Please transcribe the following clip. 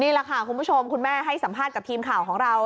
นี่แหละค่ะคุณผู้ชมคุณแม่ให้สัมภาษณ์กับทีมข่าวของเรา